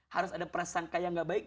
harus ada prasangka yang gak baik